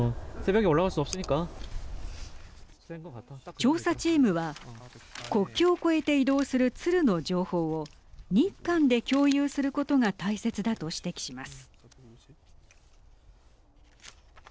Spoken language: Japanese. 調査チームは国境を越えて移動する鶴の情報を日韓で共有することが大切だと指摘します。